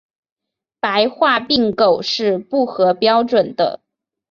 白化病狗是不合标准的。